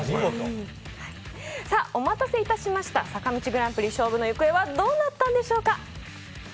お待たせしました、坂道グランプリ勝負の行方はどうなったんでしょうか？